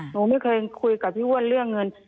หนูไม่เคยคุยกับพี่อ้วนเรื่องเงิน